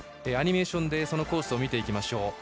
アニメーションでコースを見ていきましょう。